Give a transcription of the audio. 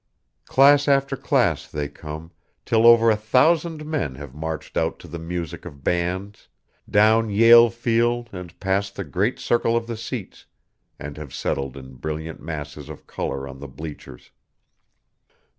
Class after class they come, till over a thousand men have marched out to the music of bands, down Yale Field and past the great circle of the seats, and have settled in brilliant masses of color on the "bleachers."